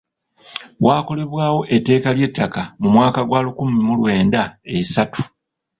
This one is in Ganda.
Waakolebwawo etteeka ly'ettaka mu mwaka gwa lukumi mu lwenda esatu.